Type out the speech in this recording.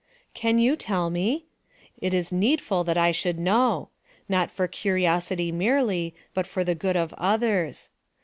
Can you tell me? It is needful that I should know! Not for curiosity merely, but for the good of others.